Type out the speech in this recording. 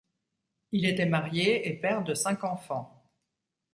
Il était marié et père de cinq enfants.